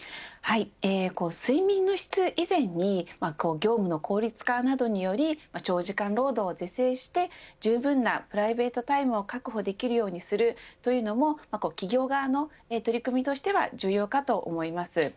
睡眠の質、以前に業務の効率化などにより長時間労働を是正してじゅうぶんなプライベートタイムを確保できるようにするというのも企業側の取り組みとしては重要かと思います。